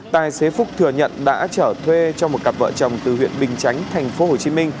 tài xế phúc thừa nhận đã trở thuê cho một cặp vợ chồng từ huyện bình chánh tp hcm